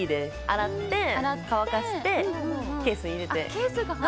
洗って、乾かしてケースに入れて。